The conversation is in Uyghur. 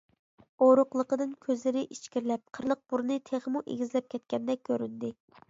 ئورۇقلۇقىدىن كۆزلىرى ئىچكىرىلەپ، قىرلىق بۇرنى تېخىمۇ ئېگىزلەپ كەتكەندەك كۆرۈندى.